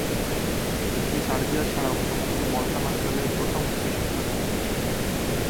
এটি সার্বিয়া ছাড়াও সমগ্র বলকান অঞ্চলের প্রথম উচ্চ শিক্ষা কেন্দ্র।